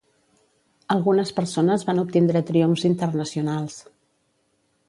Algunes persones van obtindre triomfs internacionals.